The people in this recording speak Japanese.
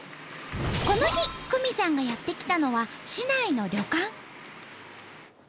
この日九美さんがやって来たのは市内の旅館。